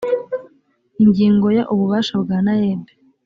ingingo ya ububasha bwa naeb